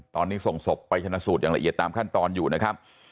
ตอนนี้ส่งศพไปชนะสูตรอย่างละเอียดตามขั้นตอนอยู่นะครับ